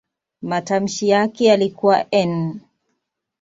Matamshi yake yalikuwa "n".